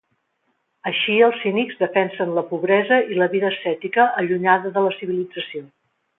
Així els cínics defensen la pobresa i la vida ascètica allunyada de la civilització.